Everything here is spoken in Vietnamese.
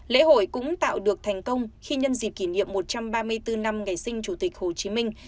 lễ hội cũng tạo được thành công khi nhân dịp kỷ niệm một trăm ba mươi bốn năm ngày sinh chủ tịch hồ chí minh